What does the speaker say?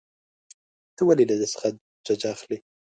ته ولې له ده څخه ججه اخلې.